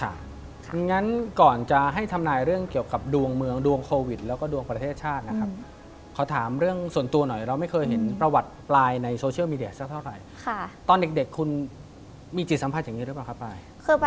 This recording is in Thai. อย่างนั้นก่อนจะให้ทำนายเรื่องเกี่ยวกับดวงเมืองดวงโควิดแล้วก็ดวงประเทศชาตินะครับ